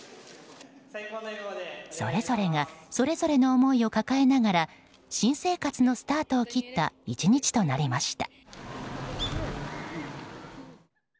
それぞれがそれぞれの思いを抱えながら新生活のスタートを切った１日となりました。